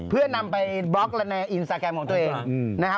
เพื่อนำไปบล็อกในอินสตาแกรมของตัวเอง